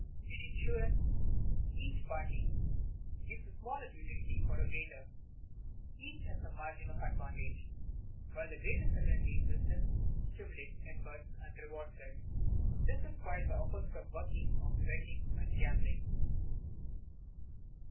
In insurance each party gives a smaller utility for a greater; each has a margin of advantage; while the greater certainty in business stimulates effort and rewards it. This is quite the opposite of the working of betting and gambling.